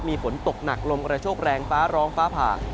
มีฝนตกหนักลมกระโชคแรงฟ้าร้องฟ้าผ่า